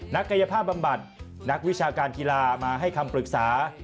กายภาพบำบัดนักวิชาการกีฬามาให้คำปรึกษา